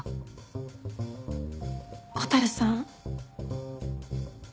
蛍さん。